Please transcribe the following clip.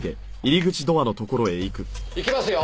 いきますよ。